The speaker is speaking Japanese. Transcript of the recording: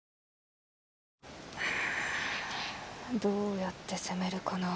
どうやって攻めるかな。